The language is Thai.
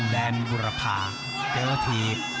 แดนบุรพาเจ้าถีบ